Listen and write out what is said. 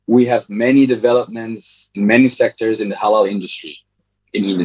kita memiliki banyak pembangunan di banyak sektor di industri halal di indonesia dengan